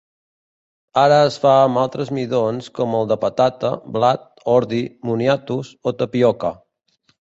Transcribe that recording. Ara es fa amb altres midons com el de patata, blat, ordi, moniatos o tapioca.